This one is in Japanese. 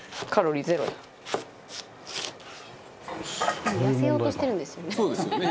藤本：でも痩せようとしてるんですよね。